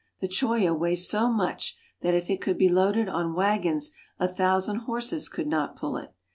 The Choya weighs so much that if it could be loaded on wagons a thousand horses could not pull it.